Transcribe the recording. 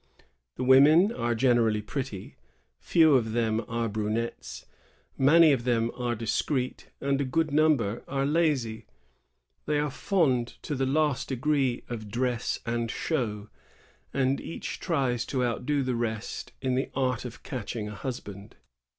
The women are generally pretty ; few of them are brunettes ; many of them are discreet, and a good number are lazy. They are fond to tlie last degree of dress and show, and each tries to outdo the rest in the art of catching a husband.